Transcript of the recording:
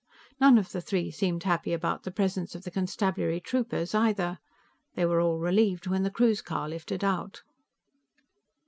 None of the three seemed happy about the presence of the constabulary troopers, either; they were all relieved when the cruise car lifted out.